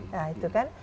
nah itu kan